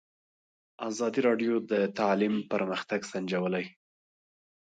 ازادي راډیو د تعلیم پرمختګ سنجولی.